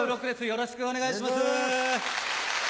よろしくお願いします。